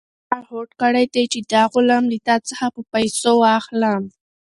ما هوډ کړی دی چې دا غلام له تا څخه په پیسو واخلم.